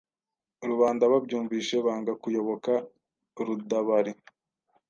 rubanda babyumvise banga kuyoboka Rudabari;